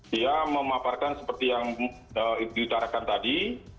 dia memaparkan seperti yang diutarakan tadi